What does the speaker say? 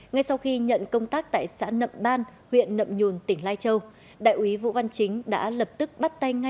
ngay sau khi nhận công tác tại xã nậm ban huyện nậm nhùn tỉnh lai châu đại úy vũ văn chính đã lập tức bắt tay ngay